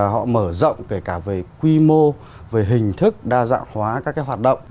họ mở rộng kể cả về quy mô về hình thức đa dạng hóa các cái hoạt động